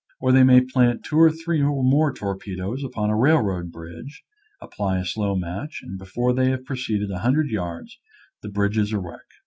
Or they may plant two or three or more torpedoes upon a rail road bridge, apply a slow match, and before they have proceeded a hundred yards the bridge is a wreck.